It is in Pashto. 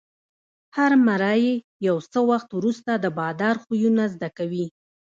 هر مریی یو څه وخت وروسته د بادار خویونه زده کوي.